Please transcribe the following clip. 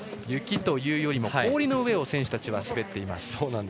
雪というより氷の上を選手たちは滑っています。